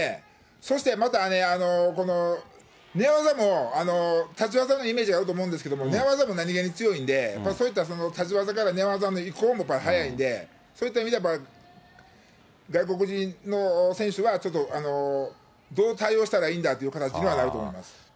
そしてまたね、この寝技も立ち技のイメージがあると思うんですけど、寝技も何気に強いんで、そういった立ち技から寝技の移行もやっぱ速いんで、そういった意味ではやっぱ、外国人の選手は、ちょっとどう対応したらいいんだっていう形にはなると思います。